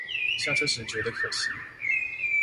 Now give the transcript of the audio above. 下車時覺得可惜